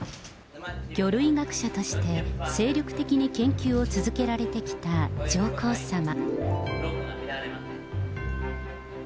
魚類学者として、精力的に研究を続けられてきた上皇さま。